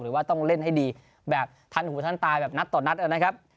ว่าต้องเล่นให้ดีแบบทันหูทันตายแบบนัดต่อนัดนะครับ